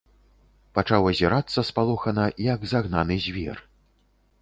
Пачаў азірацца спалохана, як загнаны звер.